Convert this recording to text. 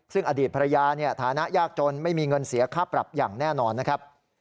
ซึ่งอดีตภรรยาเนี่ยฐานะยากจนไม่มีเงินเสียค่าปรับอย่างแน่นอนนะครับ